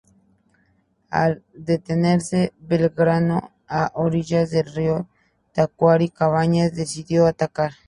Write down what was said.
Al detenerse Belgrano a orillas del Río Tacuarí, Cabañas decidió atacar.